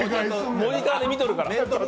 モニターで見とるから。